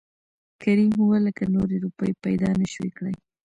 کريم اووه لکه نورې روپۍ پېدا نه شوى کړى .